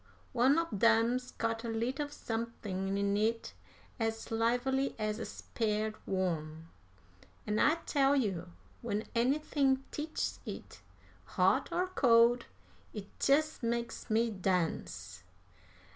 One ob dem's got a little somethin' in it as lively as a speared worm, an' I tell you when anything teches it, hot or cold, it jest makes me dance!